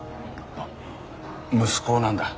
あっ息子なんだ。